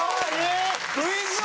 クイズ王。